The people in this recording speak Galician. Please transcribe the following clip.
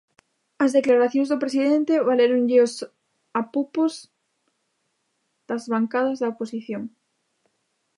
As declaracións do presidente valéronlle os apupos das bancadas da oposición.